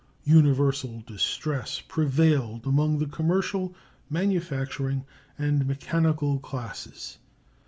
Universal distress prevailed among the commercial, manufacturing, and mechanical classes.